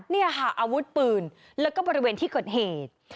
นี่ค่ะอาวุธปืนแล้วก็บริเวณที่เกิดเหตุ